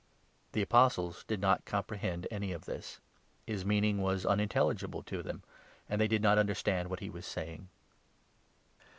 The Apostles did not comprehend any of this ; his meaning was unintelligible to them, and they did not understand what he was saying.